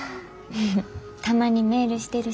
たまにメールしてるし。